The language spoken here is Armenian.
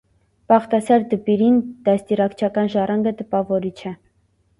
Պաղտասար դպիրին դաստիարակչական ժառանգը տպաւորիչ է։